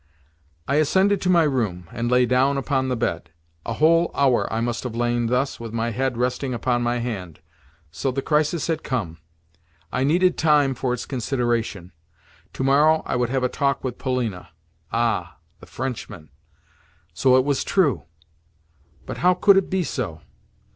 I ascended to my room, and lay down upon the bed. A whole hour I must have lain thus, with my head resting upon my hand. So the crisis had come! I needed time for its consideration. To morrow I would have a talk with Polina. Ah! The Frenchman! So, it was true? But how could it be so?